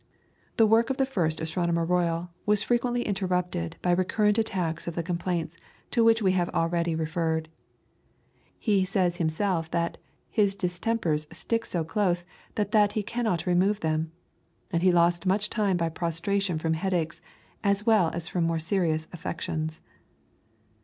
The work of the first Astronomer Royal was frequently interrupted by recurrent attacks of the complaints to which we have already referred. He says himself that "his distempers stick so close that that he cannot remove them," and he lost much time by prostration from headaches, as well as from more serious affections.